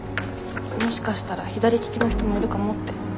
もしかしたら左利きの人もいるかもって。